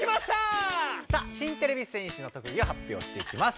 さあ新てれび戦士の特技を発表していきます。